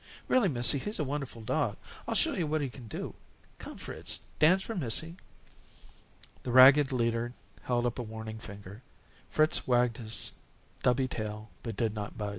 "Really, missy, he's a wonderful dog. I'll show yo' what he can do. Come, Fritz, dance for missy." The ragged leader held up a warning finger. Fritz wagged his stubby tail, but did not budge.